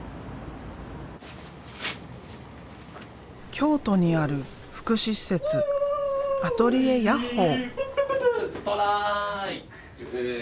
京都にある福祉施設「アトリエやっほぅ！！」。